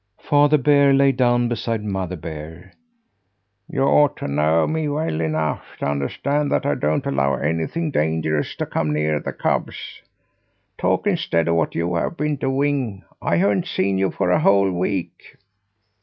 Father Bear lay down beside Mother Bear. "You ought to know me well enough to understand that I don't allow anything dangerous to come near the cubs. Talk, instead, of what you have been doing. I haven't seen you for a whole week!"